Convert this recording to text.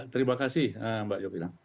terima kasih mbak yopi